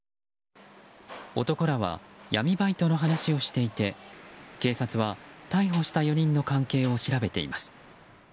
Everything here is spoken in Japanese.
男らは闇バイトの話をしていて警察は逮捕した４人の関係を調べています。